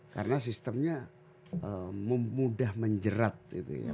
karena sistemnya mudah menjerat gitu ya